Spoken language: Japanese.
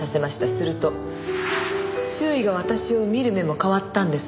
すると周囲が私を見る目も変わったんです。